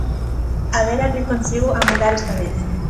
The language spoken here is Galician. A ver a quen consigo amolar desta vez...